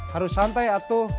harus santai atuh